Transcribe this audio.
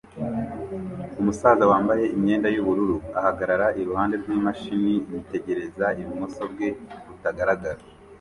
Umusaza wambaye imyenda yubururu ahagarara iruhande rwimashini yitegereza ibumoso bwe butagaragara